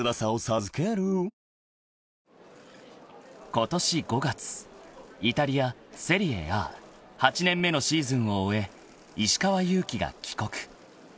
［今年５月イタリアセリエＡ８年目のシーズンを終え石川祐希が帰国］